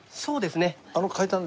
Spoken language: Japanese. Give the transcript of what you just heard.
そうですね。